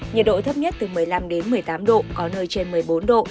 nhiệt độ thấp nhất từ một mươi năm đến một mươi tám độ có nơi trên một mươi bốn độ